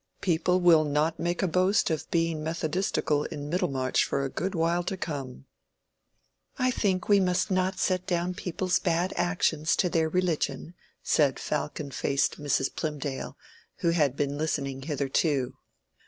"People will not make a boast of being methodistical in Middlemarch for a good while to come." "I think we must not set down people's bad actions to their religion," said falcon faced Mrs. Plymdale, who had been listening hitherto.